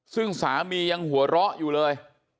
ซึ่งสามียังหัวเราะอยู่เลย